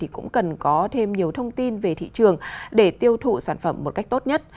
cũng cần có thêm nhiều thông tin về thị trường để tiêu thụ sản phẩm một cách tốt nhất